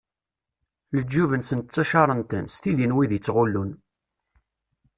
Leǧyub-nsen ttaččaren-ten, s tidi n wid i ttɣullun.